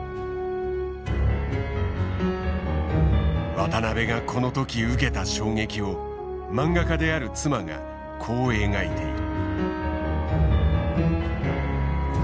渡辺がこの時受けた衝撃を漫画家である妻がこう描いている。